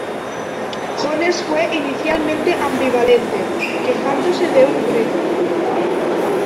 Jones fue inicialmente ambivalente, quejándose de un "ruido".